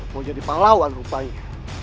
mau jadi panglawan rupanya